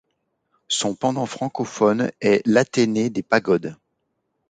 Son pendant francoophone est l'athénée des pagodes.